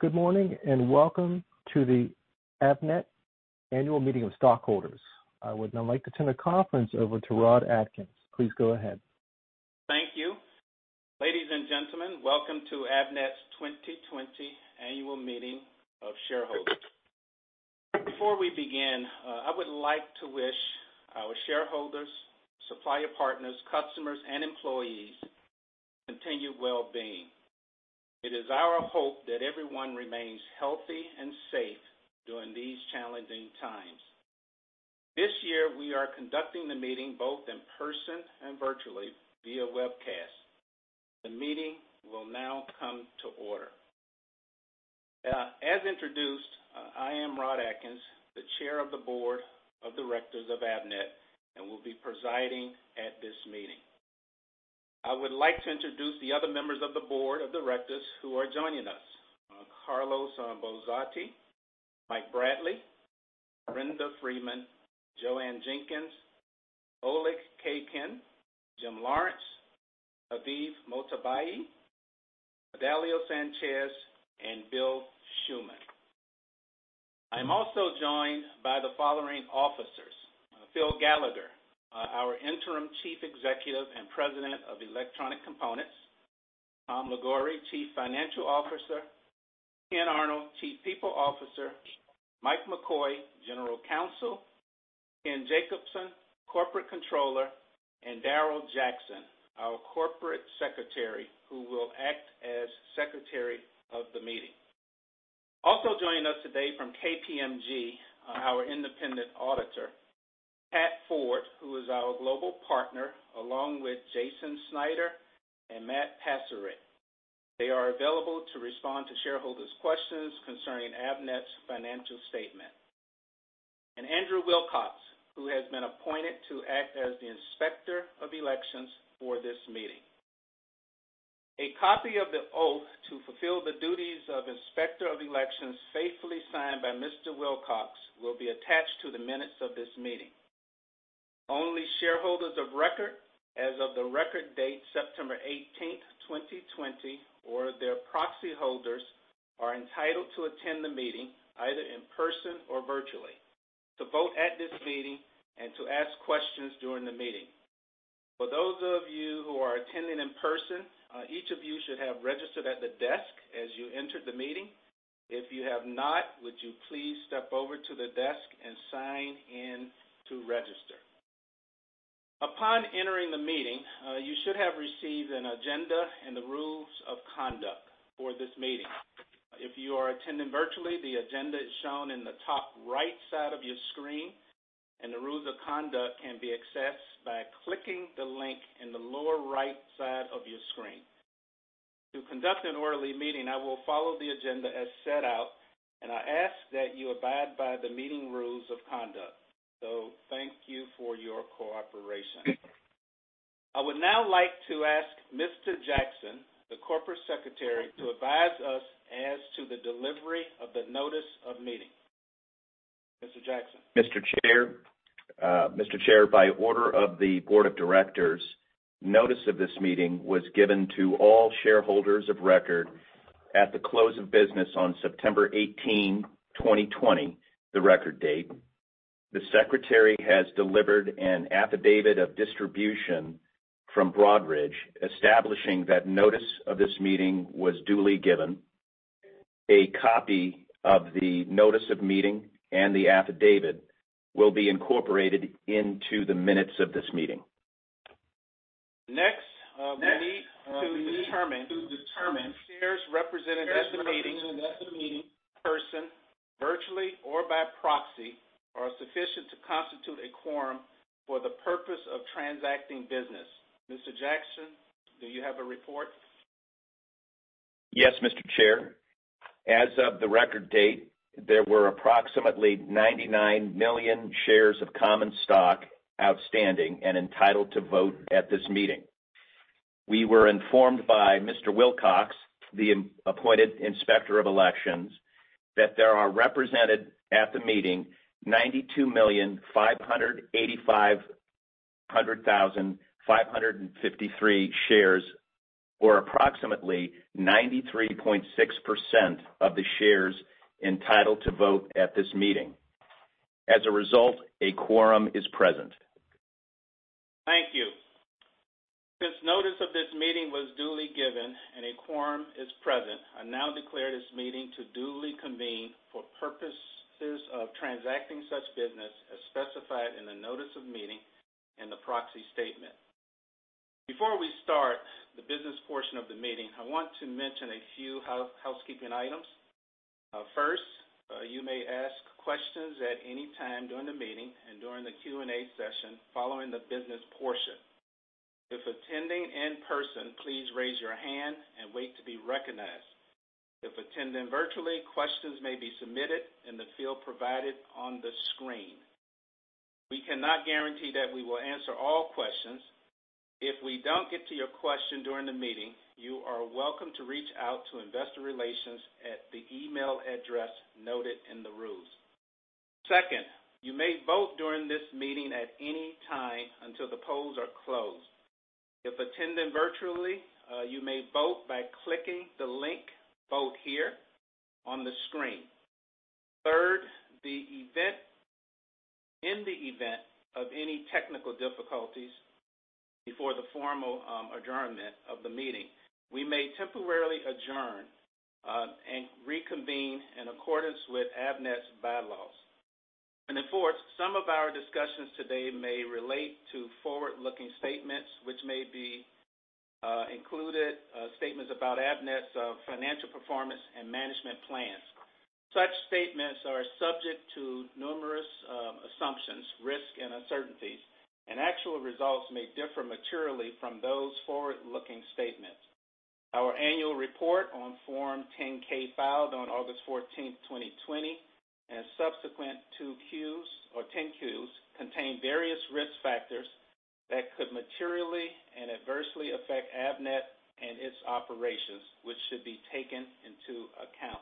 Good morning, and welcome to the Avnet Annual Meeting of Stockholders. I would now like to turn the conference over to Rodney Adkins. Please go ahead. Thank you. Ladies and gentlemen, welcome to Avnet's 2020 Annual Meeting of Shareholders. Before we begin, I would like to wish our shareholders, supplier partners, customers, and employees continued well-being. It is our hope that everyone remains healthy and safe during these challenging times. This year, we are conducting the meeting both in person and virtually via webcast. The meeting will now come to order. As introduced, I am Rod Adkins, the Chair of the Board of Directors of Avnet, and will be presiding at this meeting. I would like to introduce the other members of the Board of Directors who are joining us. Carlo Bozotti, Mike Bradley, Brenda Freeman, Jo Ann Jenkins, Oleg Khaykin, Jim Lawrence, Avid Modjtabai, Adalio Sanchez, and Bill Schumann. I'm also joined by the following officers, Phil Gallagher, our Interim Chief Executive and President of Electronic Components, Tom Liguori, Chief Financial Officer, Ken Arnold, Chief People Officer, Mike McCoy, General Counsel, Ken Jacobson, Corporate Controller, and Darrel Jackson, our Corporate Secretary, who will act as Secretary of the meeting. Also joining us today from KPMG, our independent auditor, Pat Ford, who is our global partner, along with Jason Snyder and Matt Pucerich. They are available to respond to shareholders' questions concerning Avnet's financial statement. Andrew Wilcox, who has been appointed to act as the Inspector of Elections for this meeting. A copy of the oath to fulfill the duties of Inspector of Elections, faithfully signed by Mr. Wilcox, will be attached to the minutes of this meeting. Only shareholders of record as of the record date, September 18, 2020, or their proxy holders, are entitled to attend the meeting, either in person or virtually, to vote at this meeting and to ask questions during the meeting. For those of you who are attending in person, each of you should have registered at the desk as you entered the meeting. If you have not, would you please step over to the desk and sign in to register? Upon entering the meeting, you should have received an agenda and the Rules of Conduct for this meeting. If you are attending virtually, the agenda is shown in the top right side of your screen, and the Rules of Conduct can be accessed by clicking the link in the lower right side of your screen. To conduct an orderly meeting, I will follow the agenda as set out, and I ask that you abide by the meeting rules of conduct. Thank you for your cooperation. I would now like to ask Mr. Jackson, the Corporate Secretary, to advise us as to the delivery of the notice of meeting. Mr. Jackson? Mr. Chair, Mr. Chair, by order of the Board of Directors, notice of this meeting was given to all shareholders of record at the close of business on September eighteen, twenty twenty, the record date. The secretary has delivered an Affidavit of Distribution from Broadridge, establishing that notice of this meeting was duly given. A copy of the notice of meeting and the affidavit will be incorporated into the minutes of this meeting. Next, we need to determine the shares represented at the meeting in person, virtually, or by proxy, are sufficient to constitute a quorum for the purpose of transacting business. Mr. Jackson, do you have a report? Yes, Mr. Chair. As of the record date, there were approximately 99 million shares of common stock outstanding and entitled to vote at this meeting. We were informed by Mr. Wilcox, the independently appointed Inspector of Elections, that there are represented at the meeting 92,585,553 shares, or approximately 93.6% of the shares entitled to vote at this meeting. As a result, a quorum is present. Thank you. Since notice of this meeting was duly given and a quorum is present, I now declare this meeting to duly convene for purposes of transacting such business as specified in the notice of meeting and the proxy statement. Before we start the business portion of the meeting, I want to mention a few housekeeping items. First, you may ask questions at any time during the meeting and during the Q&A session following the business portion. If attending in person, please raise your hand and wait to be recognized. If attending virtually, questions may be submitted in the field provided on the screen. We cannot guarantee that we will answer all questions. If we don't get to your question during the meeting, you are welcome to reach out to Investor Relations at the email address noted in the rules.... Second, you may vote during this meeting at any time until the polls are closed. If attending virtually, you may vote by clicking the link, Vote Here, on the screen. Third, in the event of any technical difficulties before the formal adjournment of the meeting, we may temporarily adjourn and reconvene in accordance with Avnet's bylaws. Fourth, some of our discussions today may relate to forward-looking statements, which may be included statements about Avnet's financial performance and management plans. Such statements are subject to numerous assumptions, risks, and uncertainties, and actual results may differ materially from those forward-looking statements. Our annual report on Form 10-K, filed on August 14, 2020, and subsequent 10-Qs, contain various risk factors that could materially and adversely affect Avnet and its operations, which should be taken into account.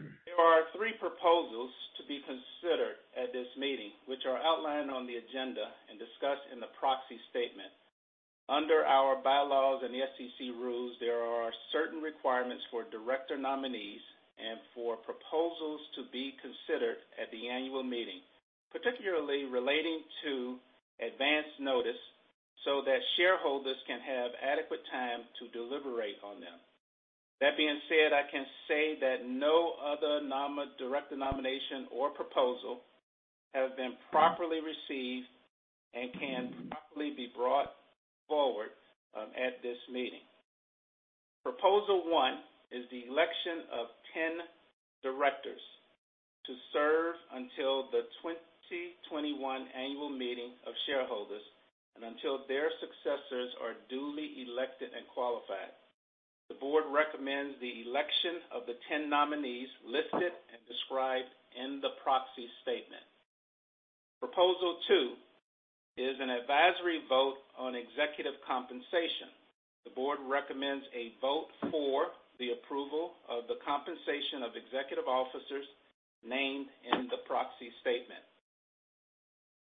There are three proposals to be considered at this meeting, which are outlined on the agenda and discussed in the proxy statement. Under our bylaws and the SEC rules, there are certain requirements for director nominees and for proposals to be considered at the annual meeting, particularly relating to advance notice, so that shareholders can have adequate time to deliberate on them. That being said, I can say that no other director nomination or proposal has been properly received and can properly be brought forward at this meeting. Proposal 1 is the election of 10 directors to serve until the 2021 Annual Meeting of Shareholders and until their successors are duly elected and qualified. The board recommends the election of the 10 nominees listed and described in the proxy statement. Proposal 2 is an advisory vote on executive compensation. The board recommends a vote for the approval of the compensation of executive officers named in the proxy statement.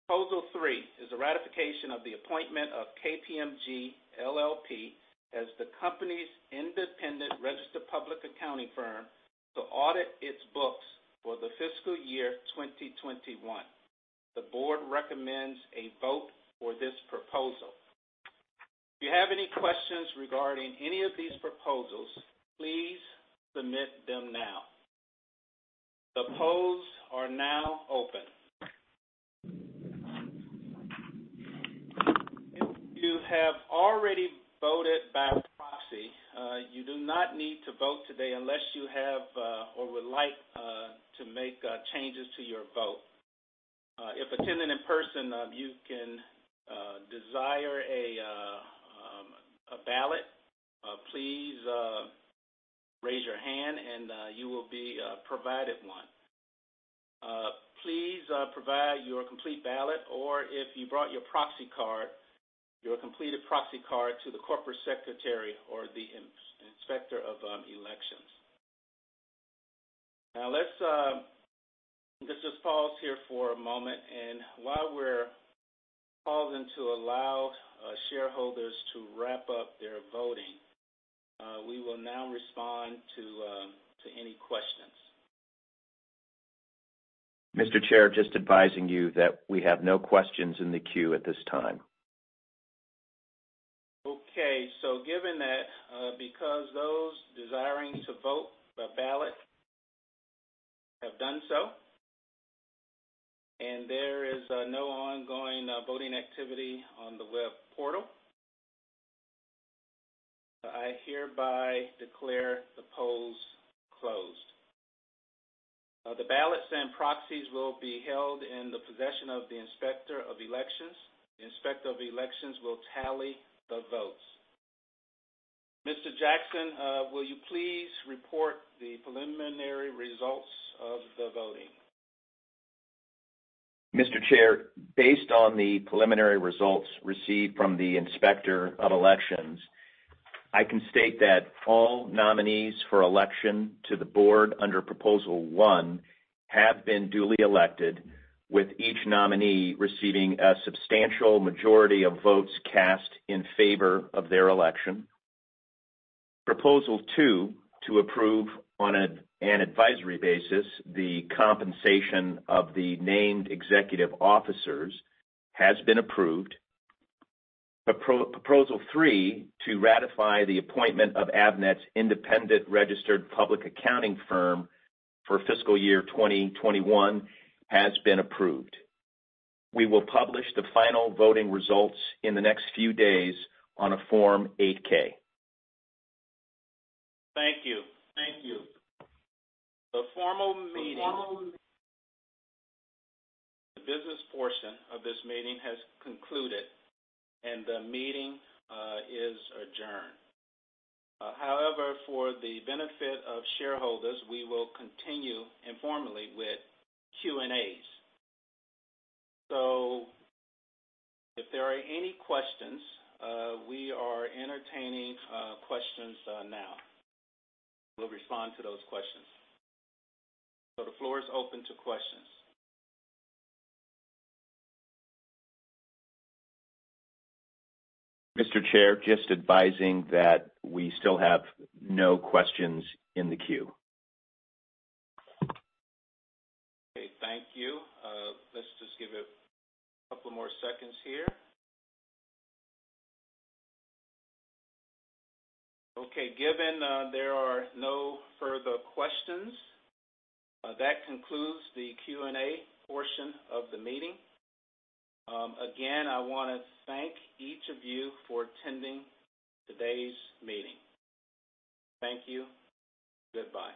Proposal 3 is a ratification of the appointment of KPMG LLP as the company's independent registered public accounting firm to audit its books for the fiscal year 2021. The board recommends a vote for this proposal. If you have any questions regarding any of these proposals, please submit them now. The polls are now open. If you have already voted by proxy, you do not need to vote today unless you have or would like to make changes to your vote. If attending in person, you can desire a ballot, please raise your hand, and you will be provided one. Please provide your complete ballot, or if you brought your proxy card, your completed proxy card to the corporate secretary or the inspector of elections. Now, let's just pause here for a moment, and while we're pausing to allow shareholders to wrap up their voting, we will now respond to any questions. Mr. Chair, just advising you that we have no questions in the queue at this time. Okay. So given that, because those desiring to vote by ballot have done so, and there is no ongoing voting activity on the web portal, I hereby declare the polls closed. The ballots and proxies will be held in the possession of the Inspector of Elections. The Inspector of Elections will tally the votes. Mr. Jackson, will you please report the preliminary results of the voting? Mr. Chair, based on the preliminary results received from the Inspector of Elections, I can state that all nominees for election to the board under Proposal 1 have been duly elected, with each nominee receiving a substantial majority of votes cast in favor of their election. Proposal 2, to approve on an advisory basis, the compensation of the named executive officers, has been approved. Proposal three, to ratify the appointment of Avnet's independent registered public accounting firm for fiscal year 2021, has been approved. We will publish the final voting results in the next few days on a Form 8-K. Thank you. Thank you. The formal meeting, the business portion of this meeting has concluded, and the meeting is adjourned. However, for the benefit of shareholders, we will continue informally with Q&As. So if there are any questions, we are entertaining questions now. We'll respond to those questions. So the floor is open to questions. Mr. Chair, just advising that we still have no questions in the queue. Okay, thank you. Let's just give it a couple more seconds here. Okay. Given there are no further questions, that concludes the Q&A portion of the meeting. Again, I wanna thank each of you for attending today's meeting. Thank you. Goodbye.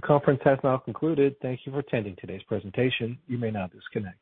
The conference has now concluded. Thank you for attending today's presentation. You may now disconnect.